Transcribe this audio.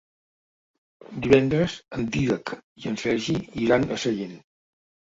Divendres en Dídac i en Sergi iran a Sallent.